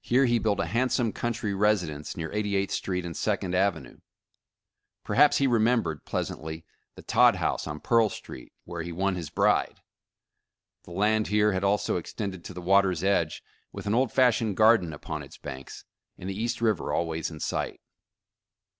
Here he built a hand some countrj^ residence, near 88th Street and Second Avenue. Perhaps he remembered, pleasantly, the Todd House on Pearl Street, where he won his bride. The land here had also extended to the water's edge, with an old fashioned garden upon its banks, and the East River always in sight.